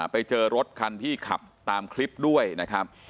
ไปเจอรถคันที่ขับตามคลิปด้วยนะครับ